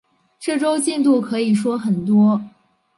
这周进度可以说很多